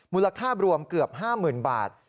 มูลค่ารวมเกือบ๕๐๐๐บาท